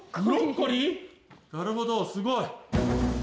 なるほどすごい。